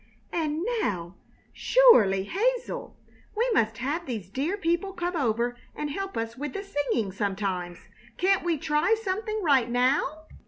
"And now, surely, Hazel, we must have these dear people come over and help us with the singing sometimes. Can't we try something right now?"